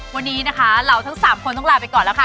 วันนี้นะคะเราทั้ง๓คนต้องลาไปก่อนแล้วค่ะ